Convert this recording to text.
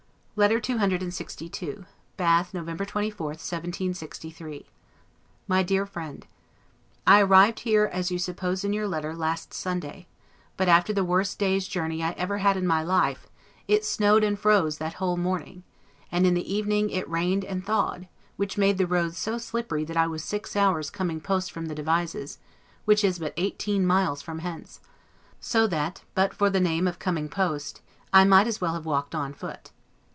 LETTER CCLXII BATH, November 24, 1763 MY DEAR FRIEND: I arrived here, as you suppose in your letter, last Sunday; but after the worst day's journey I ever had in my life: it snowed and froze that whole morning, and in the evening it rained and thawed, which made the roads so slippery, that I was six hours coming post from the Devizes, which is but eighteen miles from hence; so that, but for the name of coming post, I might as well have walked on foot.